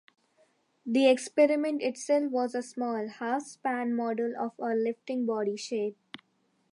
The experiment itself was a small, half-span model of a lifting body shape.